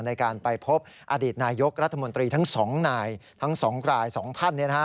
ในการไปพบอดีตนายกรัฐมนตรีทั้งสองนายทั้ง๒ราย๒ท่าน